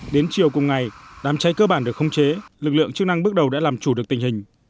đến chiều cùng ngày đám cháy cơ bản được không chế lực lượng chức năng bước đầu đã làm chủ được tình hình